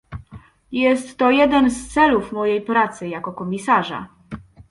Jest to jeden z celów mojej pracy jako komisarza